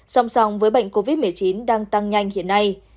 song song với bệnh covid một mươi chín đang tăng nhanh hiện nay